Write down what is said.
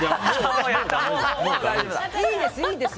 いいです、いいです。